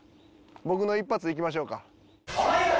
僕の一発いきましょうか。